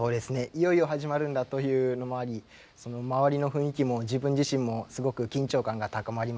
いよいよ始まるんだというのもあり周りの雰囲気も自分自身もすごく緊張感が高まりましたね。